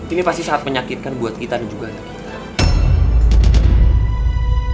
ini pasti saat menyakitkan buat kita dan juga anak kita